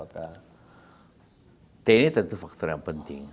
tni tentu faktor yang penting